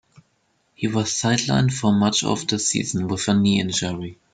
He was sidelined for much of the season with a knee injury.